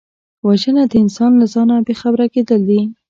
وژنه د انسان له ځانه بېخبره کېدل دي